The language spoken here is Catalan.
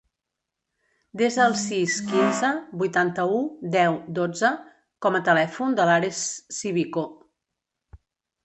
Desa el sis, quinze, vuitanta-u, deu, dotze com a telèfon de l'Ares Civico.